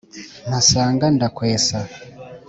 mpasanga ndakwesa.